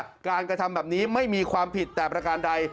เราก็ต้องทำแบบนี้ไม่มีความผิดแต่ประกาศใด